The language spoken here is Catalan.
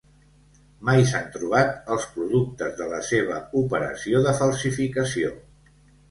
Mai s"han trobat els productes de la seva operació de falsificació.